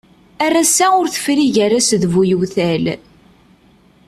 Ar wass-a ur tefri gar-as d bu yiwtal.